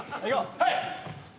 はい！